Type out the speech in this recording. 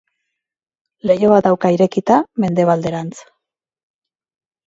Leiho bat dauka irekita mendebalderantz.